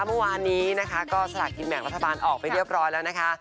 เมื่อวานนี้นะคะก็สลักกินแบ่งรัฐบาลออกไปเรียบร้อยแล้วนะคะ